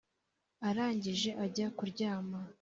arangije ajya kuryama